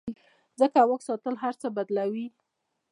ځکه واک ساتل هر څه بدلوي.